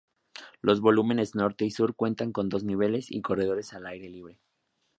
Los volúmenes norte y sur cuentan con dos niveles y corredores al aire libre.